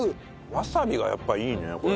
わさびがやっぱいいねこれ。